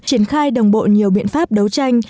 triển khai đồng bộ nhiều biện pháp đấu tranh